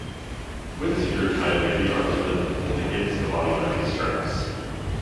When secured tightly, the arms are then pinned against the body by these straps.